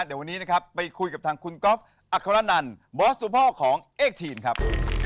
เดี๋ยววันนี้นะครับไปคุยกับทางคุณก๊อฟอัครนันบอสตัวพ่อของเอกทีนครับ